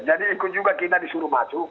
jadi ikut juga kita disuruh masuk